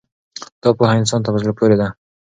دا پوهه انسان ته په زړه پورې ده.